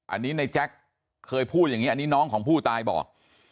อันนี้ในแจ๊คเคยพูดอย่างนี้อันนี้น้องของผู้ตายบอก